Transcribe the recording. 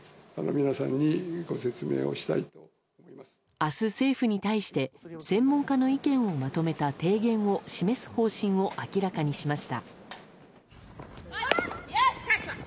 明日、政府に対して専門家の意見をまとめた提言を示す方針を明らかにしました。